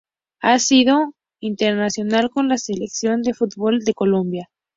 Ha sido internacional con la selección de fútbol de Colombia.